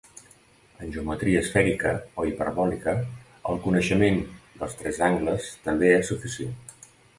En geometria esfèrica o hiperbòlica, el coneixement dels tres angles també és suficient.